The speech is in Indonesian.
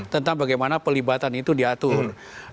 tentang bagaimana pelibatan itu diatur